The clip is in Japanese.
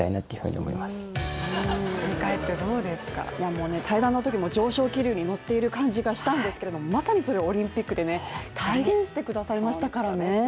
もう、対談のときも上昇気流に乗っている感じがしたんですけどまさにそれをオリンピックで体現してくださいましたからね。